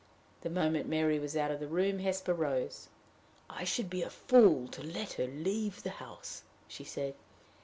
The moment Mary was out of the room, Hesper rose. "I should be a fool to let her leave the house," she said.